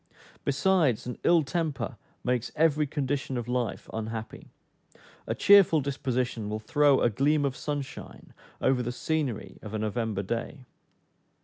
Besides, an ill temper makes every condition of life unhappy; a cheerful disposition will throw a gleam of sunshine over the scenery of a November day.